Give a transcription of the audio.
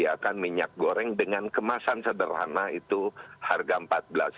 harga minyak goreng dengan kemasan sederhana itu harga rp empat belas